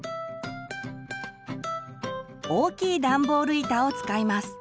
大きいダンボール板を使います。